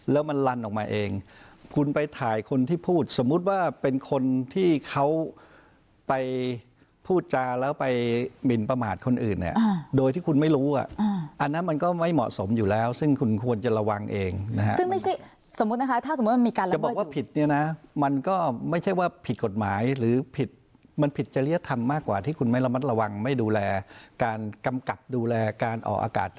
แล้วมันลันออกมาเองคุณไปถ่ายคนที่พูดสมมุติว่าเป็นคนที่เขาไปพูดจาแล้วไปหมินประมาทคนอื่นเนี่ยโดยที่คุณไม่รู้อ่ะอันนั้นมันก็ไม่เหมาะสมอยู่แล้วซึ่งคุณควรจะระวังเองนะฮะซึ่งไม่ใช่สมมุตินะคะถ้าสมมุติมันมีการจะบอกว่าผิดเนี่ยนะมันก็ไม่ใช่ว่าผิดกฎหมายหรือผิดมันผิดจริยธรรมมากกว่าที่คุณไม่ระมัดระวังไม่ดูแลการกำกับดูแลการออกอากาศ